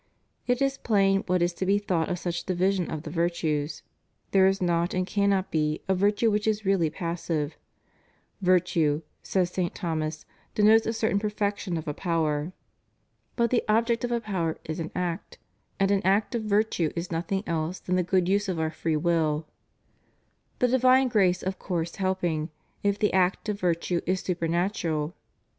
It is plain what is to be thought of such division of the virtues. There is not and cannot be a virtue which is really passive. "Virtue," says St. Thomas, "denotes a certain perfection of a power; but * In Ps. xTxi. 4. TRUE AND FALSE AMERICANISM I^ RELIGION. 449 the object of a power is an act; and an act of virtue i» nothing else than the good use of our free will";* the divine grace of course helping, if the act of virtue is super natural.